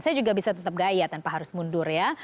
saya juga bisa tetap gaya tanpa harus mundur ya